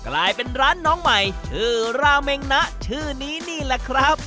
กลายเป็นร้านน้องใหม่ชื่อราเมงนะชื่อนี้นี่แหละครับ